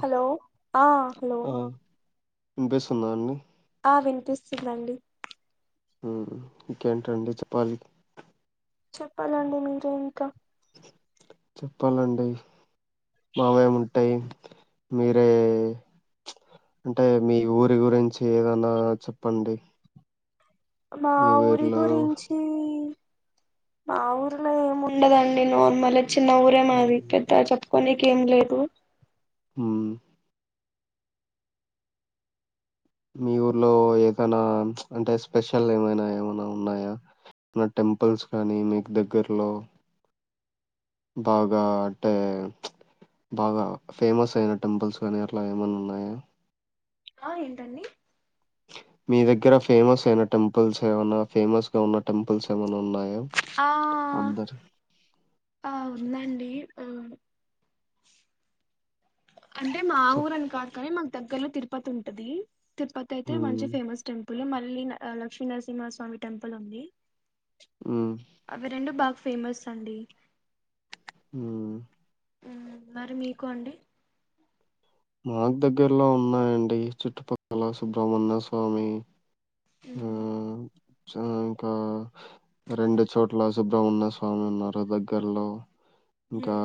Hello, ఆ hello. ఆ వినిపిస్తుందా, అండి. ఆ వినిపిస్తుందండి. ఉమ్, ఇంకేంటండీ, చెప్పాలి. చెప్పాలండి, మీరె ఇంకా. చెప్పాలండి. మామేముంటాయ్. మిరే అంటే మీ ఊరి గురించి ఏదన్నా చెప్పండి మా మీ ఊరి ఊర్లో గురించీ మా ఊర్లొ ఏమి ఉండదండి నార్మల్ చిన్న ఊరే మాది పెద్ద చెప్ పోనీకేం లేదు మ్మ్ మీ ఊర్లో ఏదనా అంటే స్పెషల్ ఏమైనా ఏమైనా ఉన్నాయా ఏమైన టెంపుల్స్ కానీ మీకు దగ్గరలో బాగా అంటే బాగా ఫేమస్ అయిన టెంపుల్స్ కనీ అట్ల ఏమైనా ఉన్నాయా అ ఏంటండి మీ దగ్ ఇక్కర ఫేమస్ అయిన టెంపుల్స్ ఏమన్నా ఫేమస్ గా ఉన్న టెంపుల్స్ ఏమన ఉన్నాయ ఆ అందరు ఆ ఉందండి ఆ అంటే మా చెప్ ఊరని కాదు కాని మాకు దగ్గర్ లో తిరుపతి ఉంటది తిరుపతి అయితే హ్మ్ మంచి ఫేమస్ టెంపుల్ పుల మళ్ళీ లక్ష్మీనరసింహ స్వామి టెంపుల్ ఉంది హ్మ్ అవి రెండు బఫ్ ఫేమస్ అండి హుమ్ మరి మీకు అండి మాక్ దగ్గర్లో ఉన్నాయండి చుట్టుపక్కల సుబ్రహ్మణ్య స్వామి ఊహుమ్ సో ఇంకా రెండు చోట్ల సుబ్రహ్మణ్య స్వామి ఉన్నారు దగ్గర్లో ఇంకా ఉ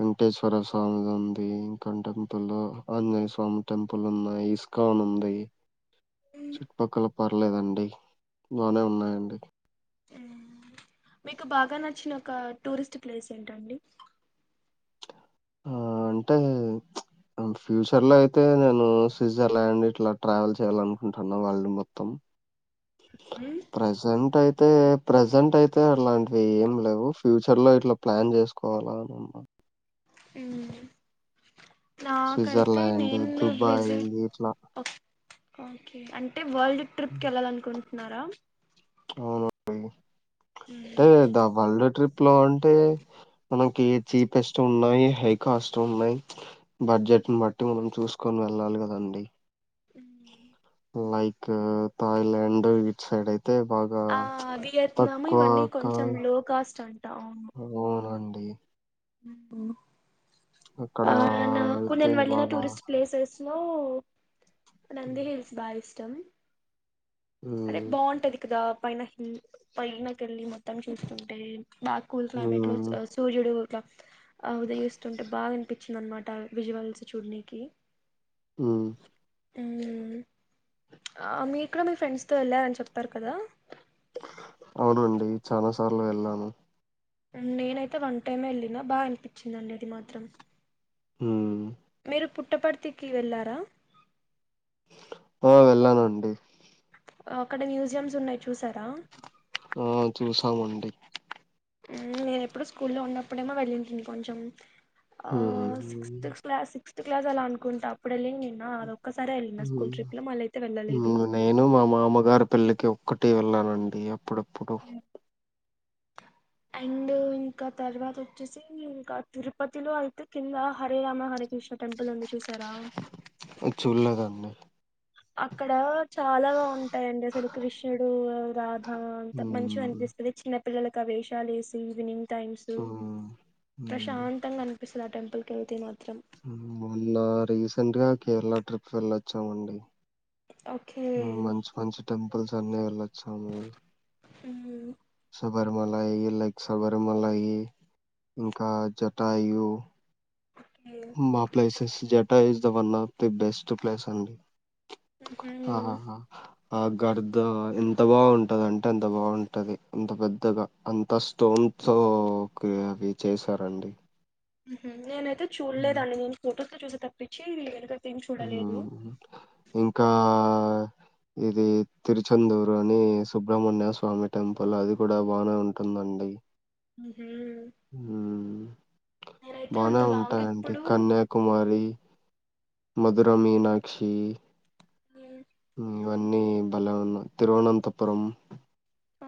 వెంకటేశ్వర స్వామి దుంది క్కన్ టెంపుల్లో ఆంజనేయ స్వామి టెంపుల్ ఉన్నాయి ఇస్కాన్ అని ఉంది చుట్పక్కల పర్లేదండి బానే ఉన్నాయండి ఉమ్ మీకు బాగా నచ్చిన ఒక టూరిస్ట్ ప్లేస్ ఏంటండి ఆ అంటే ఫ్యూచర్ లో అయితే నేను స్విట్జర్లాండ్ ఇట్లా ట్రావెల్ చేయ్యాలనుకుంటున్నా వాళ్ళు మొత్తం ఉమ్, ప్రెజెంట్ అయి అయితే ప్రెజెంట్ అయితే అలాంటివి ఏం లేవు ఫ్యూచర్ లో ఇట్లా ప్లాన్ చేసుకోవాలా అని ఉన్నా ఉమ్ నా కైతే స్విట్జర్‌లాండ్, నేను దుబాయ్ విజిట్ ఇట్లా ఓకే అంటే వాల్డ్ ట్రిప్కెల్లాలనుకుంటు ఉన్నారా అవున [unintelligible] టే మ్మ్, ద హాల్డే ట్రిప్ ప్ లో అంటే మనకి చీపెస్ట్ ఉన్నాయి హై కాస్ట్ ఉన్నాయి బడ్జెట్ ని బట్టి మనం చూసుకొని వెళ్ళాలి కదండి మ్మ్. లైక్ థాయ్లండ్ ఇట్ సైడై తే బాగా ఆ వియత్నాం తక్కువ ఇవన్నీ కొంచెం లో కాస్ట్ అంట [inaudible] అవునం మ్మ్ పోవును అక్కడ ఆ నాకు అయితే నేను వెళ్ళిన బాగా టూరిస్ట్ ప్లేసెస్ లో నంది హ్మ్. హిల్స్ బాయిస్ తం అదే హ్మ్. బావుంటది కదా పైన హాల్ పైనకెళ్ళి మొత్తం చూస్తుంటే బా కూల్ క్లైమేట్ లో హ్మ్. సూర్యుడు ఆ ఉదయిస్తుంటే బాగా అనిపిచ్చింది అనమాట విజువల్స్ చూడనికి మ్మ్ మ్మ్ ఆ మీ ఇక్కడ మీ ఫ్రెండ్స్ తో వెళ్ళారని చెప్పారు కదా అవునండి చాలా సార్లు వెళ్ళాను నేనైతే వన్ టైమ్ ఎళ్ళినా బా అనిపిచ్చిందండి అది మాత్రం మ్మ్ [unintelligible] పుట్టపర్తికి వెళ్ళారా ఆ వెళ్ళానండి అక్కడ మ్యూజియమ్స్ ఉన్నాయి చూసారా ఆ చూశామండి మ్మ్ నేను ఎప్పుడో స్కూల్లో ఉన్నప్పుడేమో వెళ్ళింటిని కొంచెం ఆ హ్మ్ సిక్త్స్ క్లాసి [unintelligible] సిక్త్స్ క్లాస్ అలా అనుకుంట అప్పుడెళ్ళిన్నిన్నా ఆరో మ్మ్ నేను మా మామగారు పెళ్లికి క్కటే వెళ్ళానండి అప్పుడు పుటో అండ్ ఇంకా తర్వాత వచ్చేసి ఇంకా తిరుపతిలో అయితే కింద హరేరామ హరకృష్ణ టెంపుల్ ఉంది చూశారా చూడలేదండి. అక్కడ చాలా బావుంటాయండి అసలు కృషుడు [inaudible] రాద్ ఆ అంతా మంచిగ హ్మ్ అనిపిస్తుది చిన్న పిల్లలకు అవేషాలు వేసి ఈవినింగ్ టైమ్స్ హ్మ్ హ్మ్ ప్రశాంతంగా అన్ పిస్తది టెంపుల్ కెళ్తే మాత్ మొన్న రీసెంట్గా కేరళ ట్రిప్ వెళ్ళొచ్చామండి ఓకే మంచి మంచి టెంపుల్స్ ధన్యఓళ్ళ [unintelligible] సమ్ ఉమ్ స శబరిమలయి లైక్ సబరిమలయి ఇంకా జటాయు ఓకే. మా ప్లేసెస్ జట్ టాయువు one of the best place అండి ఉహు. ఆ ఆ గర్ద ఎన్ ఎంత బాగుంటుంది అంటే అంత బాగుంటది అంత పెద్దగా అంత స్టోన్తో అవి చేసారండి ఉహు నేను తే తే చూళ్ళేదండీ నేను ఫోటోస్ చూస తప్పించి ఎ హుమ్ ఇంకా ఇది తిరుచందూరు అని సుబ్రహమణ్య స్వామి టెంపుల్ అది కూడా బానే ఉంటుందండి ఉ ఉమ్ నేనైతే అంత బానే లాంగ్ ఉంటాయండి ఇప్పుడు కన్యాకుమారి మధుర మీనాక్షి ఉమ్, ఉమ్ ఇవన్నీ బలన్నా తిరువనంతపురం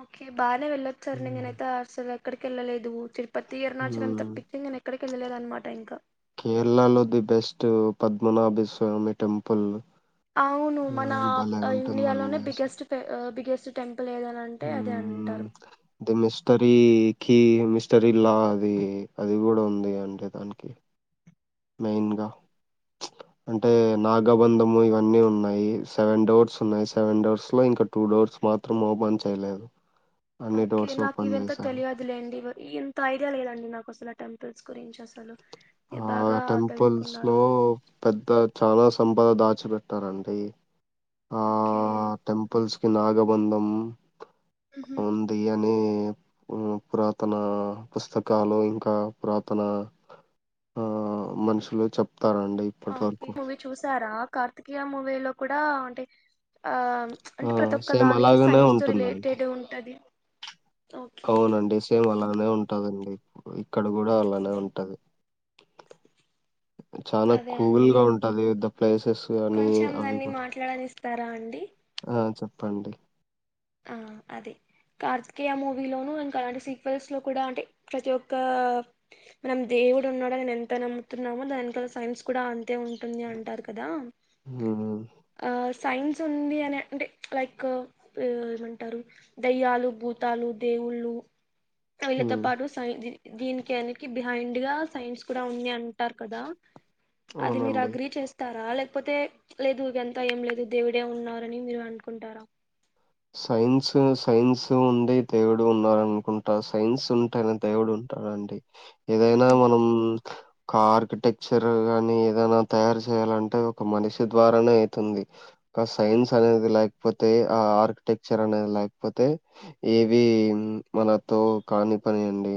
ఓకే బాయ్ అ వెళ్ళచ్చార్ ఉమ్, నేనయితే ఆస్టల్ కి ఇక్కడికెళ్ళలేదు ఊరికే [inaudible] ప్రతి ఇయర్ అరుణాచలం ఉమ్. తప్పించి నేను ఎక్కడికి వెళ్ళలేదన్నమాట ఇంకా కేరళలో the best Padmanabha Swamy temple అవును మన ఆ భలే ఇండియాలోనే ఉంటుందండి అసలు బిగ్గెస్ట్ పె బిగ్గెస్ట్ చెప్పలేదని అంటే అది అంటారు టరీ కీ మిస్టరీ లా అది అది కూడా ఉంది అండి దానికి మెయిన్గా చుప్ అంటే నాగబంధము ఇవన్నీ ఉన్నాయి సెవెన్ డోర్స్ ఉన్నాయి. సెవెన్ డోర్స్ లో ఇంకా టూ డోర్స్ మాత్రం ఓపెన్ చేయలేదు అన్ని ఓకే డోర్స్ నాకు ఓపెన్ ఇవెంత చేశాను తెలియదులేండి ఇంత ఐడియా లేదండి నాకు అసలు టెంపుల్స్ గురించి అసలు మీరు ఆ బాగా టెంపుల్స్ లో తెలుసుకున్నారు పెద్ద చాలా సంప బ దాచిపెట్టరండి ఓకే నాగబంధం ఉహు ఉంది అని పురాతన పుస్తకాలు ఇంకా పురాతన మనుషులు చె తరంట ఇప్పటి వరకు సారా కార్తీకీయ మూవి లో కూడా అంటే ఆ ఆ అంటే ప్రతి ఒక్క సేమ్ దానికి అలాగనే సైన్స్ తో ఉంటుందండి రిలేటెడ్ ఉంటది ఓకే అవునండి సేమ్ అలానే ఉంటదండి ఇక్కడ కూడా అలానే ఉంటది చాలా అదే కుల్గా అండి గా ఉంటది ద ప్లేసెస్ అని కొంచెం అవి నన్ని కూడా మాట్లాడనిస్తారా అండి ఆ చెప్ చేపండి ఆ అదే కార్తికేయ మూవీలోనూ ఇంకా అలాంటి సీక్వెల్స్ లో కూడా అంటే ప్రతి ఒక్క మనం దేవుడు ఉన్నాడు నే ఎంత నమ్ముతున్నామో దానిక సైన్స్ కూడా అ ఉంటుంది అంటారు కదా హ్మ్. సైన్స్ ఉంది అని అంటే లైక్ ఏమంటారు దయ్యాలు భూతాలు దేవుళ్ళు వీళ్ళతో హ్మ్. పాటు సాయి దీనికి వెననికి బిహైండ్ గా సైన్స్ కూడా ఉంది అంటారు కదా అది మీరు అవునండి. అగ్రీ చేస్తారా లేక లేకపోతే లేదు ఇది అంత ఏం లేదు దేవుడే ఉన్నారని మీరు అనుకుంటారా సైన్స్ సైన్స్ ఉంది దేవుడు ఉన్నడు అనుకుంటా సైన్స్ ఉంటేనే దేవుడు ఉంటాడండి ఏదైనా ఉమ్ మనం ఒక ఆర్కిటెక్చర్ కాని ఏదైనా తయారు చేయాలంటే ఒక మనిషి ద్వారానే అవుతుంది ఒక సైన్స్ అనేది లేకపోతే ఆ ఆర్ టెక్చర్ అనేది లేకపోతే ఏవి మనతో కాని పని అండి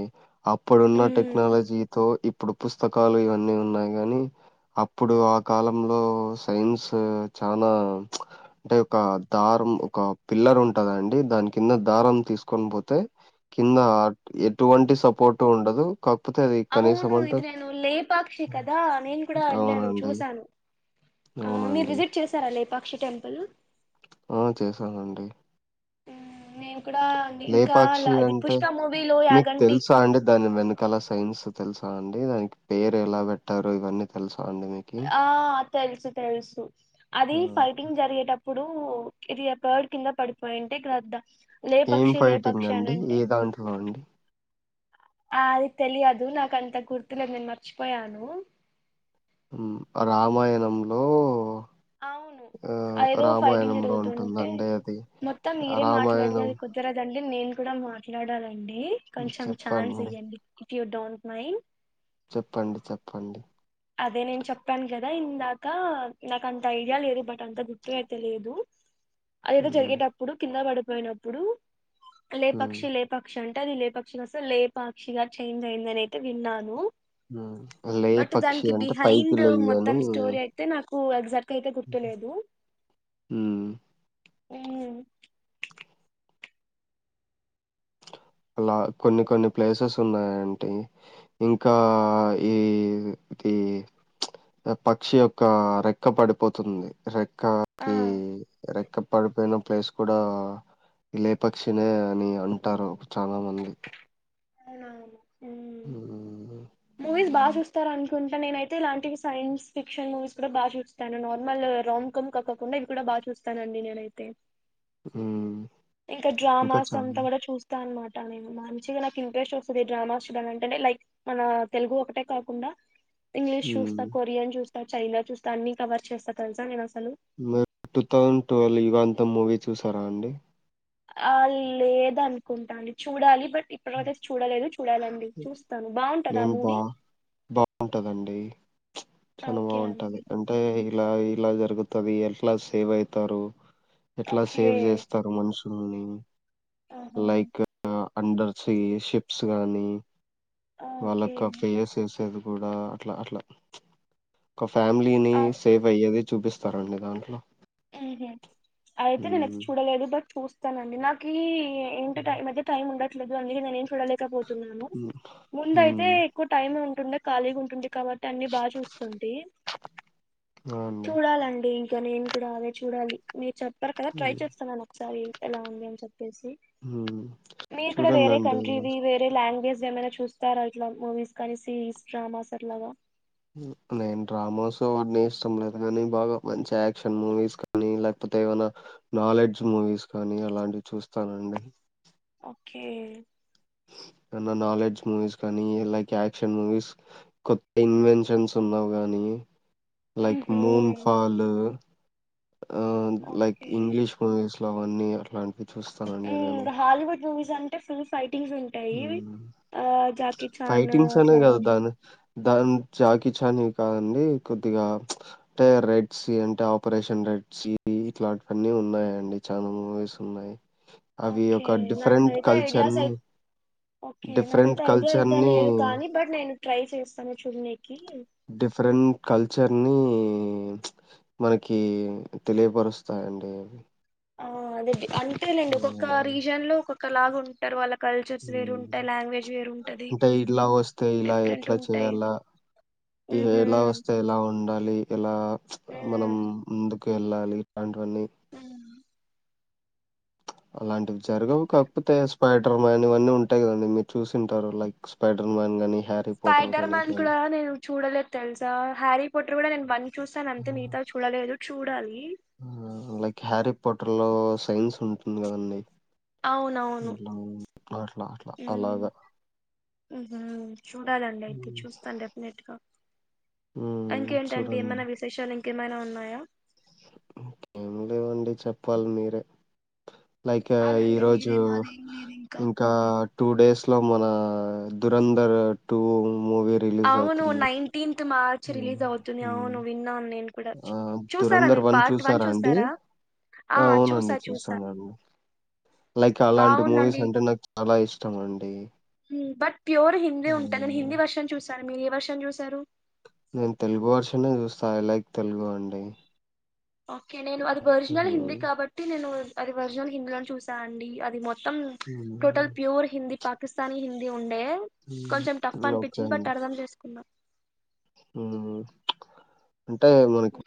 అప్పుడున్న ఉమ్. టెక్నాలజీతో ఇప్పుడు పుస్తకాలు ఇవన్నీ ఉన్నాయి కానీ అప్పుడు ఆ కాలంలో సైన్స్ చాలా అంటే ఒక దారం ఒక పిల్లర్ ఉంటదండి దాని కింద దారం తీసుకొని పోతే కింద ఎటువంటి సపోర్ట్ ఉండదు కాకపోతే అది కనీసం అవును అంటే ఇది నేను లేపాక్షి కదా నేను కూడా వెళ్ళాను అవునండి చూసాను ఆ మీరు అవునండి విజిట్ చేసారా లేపా పక్షి టెంపుల్ ఆ చేసానండి ఉమ్, నేను కూడా అండి. ఇంకా లేపాక్షి ల- ఇది అంటే పుష్ప మూవీలో మీకు యాగంటి తెలుసా అండి దాని వెనకాల సైన్స్ తెలుసా అండి దానికి పేరు ఎలా పెట్టారు ఇవన్నీ తెలుసుా ఆ తెలుసు తెలుసు అది ఆ ఫైటింగ్ జరిగేటప్పుడు పు ఇది బర్డ్ కింద పడిపోయింటే గ్రద్ద లే ఏం పక్షి లే ఫైటింగ్ పక్షి అని అండి అంటే ఏ దాంట్లో అండి ఆ అది తెలియదు నాకు అంత గుర్తులేద్ నేను మర్చిపోయాను రామాయణంలో అవును ఆ అ ఏదో ఫైటింగ్ రామాయణంలో జరుగుతుంటే ఉంటుందండి అది మొత్తం ఆ మీరే మాట్లాడితే రామాయణం అది కుదరదండి అంటే నేను కూడా మాట్లాడాలన్ ండి కొంచెం ఛాన్స్ చెప్పండి ఇయ్యండి యూ డోంట్ మైండ్ చెప్పండి చెప్పండి అదే నేను చెప్పాను కదా ఇందాక నాకు అంత ఐడియా లేదు బట్ అంత గుర్తు అయితే లేదు అదేదో హ్మ్ జరిగేటప్పుడు కింద పడు పోయినప్పుడు లే హ్మ్ పక్షి లేపాక్షి అంటే టే అది లేపక్షిగా అసలు లేపాక్షిగా చేంజ్ అయ్యింది అనైతే విన్నాను బట్ లేపక్షి దానికి బిహైండ్ మొత్తం స్టోరీ అయితే నాకు హు ఏక్షక్ట్ యితే గుర్తులేదు హ్మ్ అలా కొన్ని కొన్ని ప్లేసెస్ ఉన్నాయంటీ ఇంకా ఈ కాకి ఆ రెక్క పడిపోయిన ప్లేస్ కూడా లే పక్షిినే అని అంటారు చాలా మంది అవునావును హ్మ్ మూవీస్ బాగా చూస్తారా అన్ కుంట నేనైతే ఇలాంటి సైన్స్ ఫిక్షన్ మూవీస్ కూడా బాగా చూస్తాను నార్మల్ రామ్ కొమ్ కక్కకుండా ఇది కూడా బాగా చూస్తానండి నేనైతే హు ఇంకా డ్రామాస్ అంతా కూడా చూస్తా అన్నమా ట నేను మంచిగా నాకు ఇంట్రెస్ట్ వస్తుంది ఈ డ్రామాస్ నింటంటే లైక్ మన తెలుగు ఒకటే కాకుండా ఇంగ్లిష్ చూస్తా హ్మ్ కొరియన్ చూస్త చైనా చూస్త అన్ని కవర్ చేస్తా తెలుసా నేను అస్ మీరు టు థౌసేండ్ టువెల్ యుగంతంమూవీ చూసారా అండి ఆ లేదనుకుంటా అండి చూడాలి బట్ ఇప్పటికతే చూడలేదు చూడాలండి చూస్తాను బాగుంటది ఆ నేను బా మూవీ చాలా ఓకే అండి బాగుంటది. అంటే ఇలా ఇలా జరుగుతద. ఎట్లా సేవ్ అయితారు? ఎట్లా ఓకే సేవ్ చేస్తారు. మనుష్ ల్ని ఆహా లైక్ అండర్స్ సి షిప్స్ గానీ ఓకే వాళ్ళక పేయసేసేద్ కూడా అట్లా అట్లా. ఒక ఫ్యామిలీని ఆ సేవ్ అయ్యేద్ చూపిస్తారంండి. దాంట్లో ఉహ్ హు అయితే నేను ఎప్ మ్మ్ చూడలేదు. బట్ చూస్ స్తానండి. నాకు ఈ ఎం టి మధ్య టైం ఉండాట్ ట్లేదు. అందుకే నేనేం చూడలేకపోతున్నాను. ముందైతే మ్మ్ ఎక్కువ్ టైం టుండే ఖాళగా ఉంటుండే. ఇప్ కాబట్టి అన్ని బాగా చూస్తుంటి. ఆ అండి చూడాలండి. కానీ ఏం ఇప్పుడు అదే చూడాలి. మీరు చప్ రకద ట్రై చేస్తున్నాను. ఒకసారి ఎలా ఉంది అని చెప్పేసి. మ్మ్ మీరు కూడా వేరే చూడండండి కంట్రీది వేరే లాంగ్వేజ్ జ్ ఏమైనా చూస్తారా? ఇట్లా మూవీస్ కానీ సిరీస్, డ్రామాస్ అట్లాగా. నేను డ్రామాస్ అన్నీ ఇష్టం లేదు. కానీ బాగా మంచి యాక్షన్ మూవీస్ కానీ, లేకపోతే ఏమైనా నాలెడ్జ్ మూవీస్ కానీ అలాంటివి చూస్తానండి. ఓకే అన్న నాలెడ్జ్ మూవీస్ కానీ లైక్, యాక్షన్ మూవీస్ కొత్ ఇన్వెన్షన్స్ ఉన్నావి. గానీ లైక్ ఉహు మూన్ ఫలు ఆగ్ లైక్ ఓకే ఇంగ్లీష్ మువీస్. అవన్నీ అట్లాంటివ్ చూస్తానండి. నేను ఉమ్ హాలీవుడ్ మూవీస్ అంటే ఫుల్ ఫైట్ టింగ్స్ ఉంటాయి ఇవి హ్మ్. ఆహ్ జాకిఛాన్ అట్లా! దాన్ జాకి చాన్వి కాదండి. కొద్దిగా అంటే రెడ్. సి. అంటే ఆపరేషన్ రెడ్. సి. ఇట్లాంటివన్నీ ఉన్నాయండి. చానా మూవీస్ ఉన్నాయి. అవి ఓకే ఒక డిఫరెంట్ నాకైతే కల్చర్ ఐడియాస్ ని అయి ఓకే నాకైతే ఐడియా అయితే లేదు కాని! బట్ నేను ట్రై చేస్తాను. చున్నీకి డిఫరెంట్ కల్చర్ ని హ్మ్ మనకి తెలియపరుస్తాయి అండి. ఆ అదేది అంతే లేండి ఒకోక్క రీజన్ లో ఒకొక్క ఒక లాగా ఉంటారు వాళ్ళ కల్చర్స్ వేరు హ్ ఉంటాయి లాంగ్వేజ్ వేరు ఉంటది అంటే ఇట్లా వస్తే ఇలా డిఫరెంట్ ఎట్లా ఉంటాయి చేయాలా ఉహు ఎలా వస్తే ఎలా ఉండాలి. ఎలా మనం ఉమ్, ముందుకు ఏళ్ళలీ [unintelligible] అన్నీ ఉమ్. అలాంటివి జరగవు కాకపోతే స్పైడర్ మ్యాన్ ఇవన్నీ ఉంటాయి. కదండి మీరు చూసింటారు లైక్ స్పైడర్ మ్యాన్ గని స్పైడర్ మ్యాన్ కూడా నేను చూడలేదు తెలుసా హ్యారీ పోట్ టార్ కూడా నేను పం చూస్తాను ఆ! అంతే మిగతా చూడలేదు చూడాలి. లో సైన్స్ ఉంటుంది కదండి. అవునవును అట్లా అట్లా హ్మ్ అలాగా. హ్ హు చూడాలండి. అయితే హ్మ్. చూస్తాను డెఫినెట్ గా హ్మ్. అంకేంటండి ఏమన్న విశేషాలు ఇం ఏమైనా ఉన్నాయా ఎమ్ లేవండి. చెప్పాలి మీరే లైక్ చెప్పాలండి ఈరోజు మీరే మాదేం లేదు ఇంకా టూ డేస్లో మన దురంధర్ టూ మూవీ రిలీజ్ అవును అవుతుంది నైన్టీంత్ మార్ ర్చికి హ్మ్ రిలీస్ అవుతుంది హ్మ్ ఆవును విన్నన్ ఆ దురంధర వన్ చూసారా అండి. ఆ చూసా అవునండి చూసా చూసానండి లైక్ అలాంటి బాగుందండి మూవీస్ అంటే నాకు చాలా ఇష్టం అండి. బట్ ప్యూర్ హిందీ ఉంటది. నేను హ్మ్. హిందీ వర్షం చూస సార్ మీరు ఏ వర్షన్ జుసారు. నేను తెలుగు వర్షనే జుస్తా ఐ లైక్ తెలుగు అండి. ఓకే నేను అది ఒరిజినల్ హిందీ హ్మ్. కాబట్టి నేను అది ఒరిజినల్ హిందీ లోనే చూస్ అండి అది మొత్తం సం టోటల్ హ్మ్. ప్యూర్ హిందీ పాకిస్తాని హింది ఉం టే హ్మ్. కొంచెం టఫ్ ఓకే అనిపించింది. బట్ అండి. అర్థం చేసుకున్న అంటే మనకి